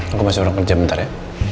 aku masih orang kerja bentar ya